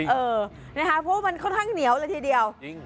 เออนะคะเพราะมันค่อนข้างเหนียวเลยทีเดียว